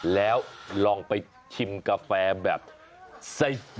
แล้วลองไปชิมกาแฟแบบไส้